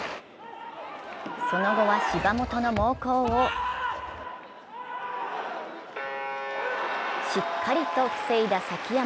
その後は芝本の猛攻をしっかりと防いだ崎山。